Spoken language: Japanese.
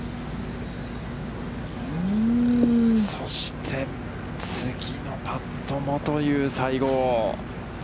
そして次のパットも、という西郷。